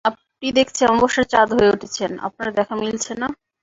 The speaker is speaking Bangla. আপনি দেখছি অমাবস্যার চাঁদ হয়ে উঠেছেন, আপনার দেখা মিলছে না।